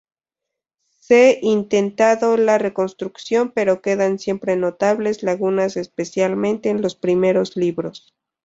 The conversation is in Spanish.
Se intentado la reconstrucción pero quedan siempre notables lagunas especialmente en los primeros libros.